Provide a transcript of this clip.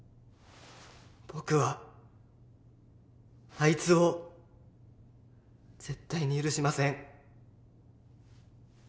僕はあいつを絶対に許しません。